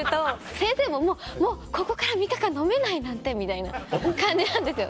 先生ももう「ここから３日間飲めないなんて！」みたいな感じなんですよ。